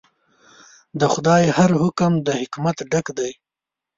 د خدای هر حکم د حکمت ډک دی.